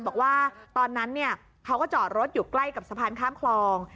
บอกว่าตอนนั้นเขาก็จอดรถอยู่ใกล้กับสะพานข้ามคลอง